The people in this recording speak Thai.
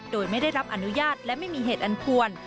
โดยไม่ได้รับอนุญาตและไม่มีเหตุอันควร